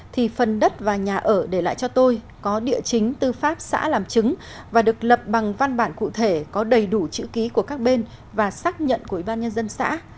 thì phần đất và nhà ở để lại cho tôi có địa chính tư pháp xã làm chứng và được lập bằng văn bản cụ thể có đầy đủ chữ ký của các bên và xác nhận của ủy ban nhân dân xã